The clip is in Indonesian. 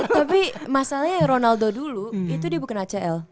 tapi masalahnya ronaldo dulu itu dia bukan acl